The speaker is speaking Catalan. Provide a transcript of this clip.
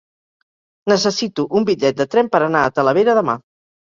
Necessito un bitllet de tren per anar a Talavera demà.